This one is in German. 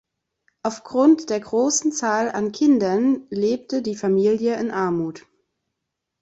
Aufgrund der großen Zahl an Kindern lebte die Familie in Armut.